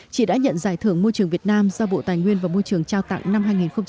chị đã nhận giải thưởng môi trường việt nam do bộ tài nguyên và môi trường trao tặng năm hai nghìn một mươi tám